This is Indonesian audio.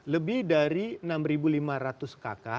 lebih dari enam ribu lima ratus kk